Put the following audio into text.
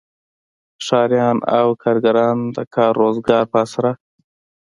ښاریان او کارګران د کار روزګار په اسره.